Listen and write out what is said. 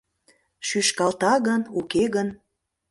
Шӱшкалта гын, уке гын